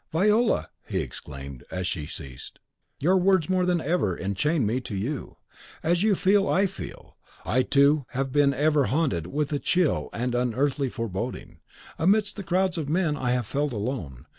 "Viola!" he exclaimed, as she ceased, "your words more than ever enchain me to you. As you feel, I feel. I, too, have been ever haunted with a chill and unearthly foreboding. Amidst the crowds of men I have felt alone.